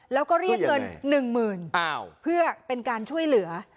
แล้วก็เรียกเงิน๑๐๐๐บาทเพื่อเป็นการช่วยเหลือ